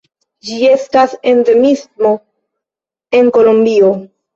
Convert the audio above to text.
Ĝi estas endemismo en Kolombio.